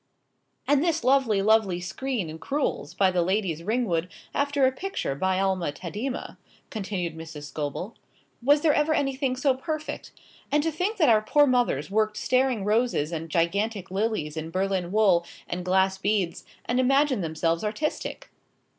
"And this lovely, lovely screen in crewels, by the Ladies Ringwood, after a picture by Alma Tadema," continued Mrs. Scobel. "Was there ever anything so perfect? And to think that our poor mothers worked staring roses and gigantic lilies in Berlin wool and glass beads, and imagined themselves artistic!"